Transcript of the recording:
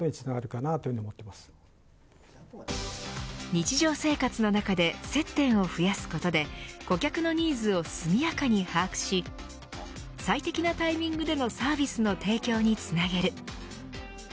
日常生活の中で接点を増やすことで顧客のニーズを速やかに把握し最適なタイミングでのサービスの提供につなげる。